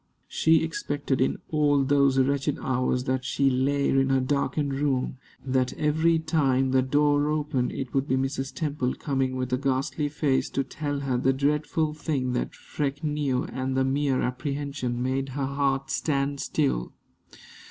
She expected, in all those wretched hours that she lay in her darkened room, that every time the door opened it would be Mrs. Temple coming with a ghastly face to tell her the dreadful thing that Freke knew; and the mere apprehension made her heart stand still.